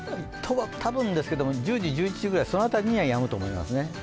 たぶんですけれども、１０時、１１時ぐらいにはやむと思いますね。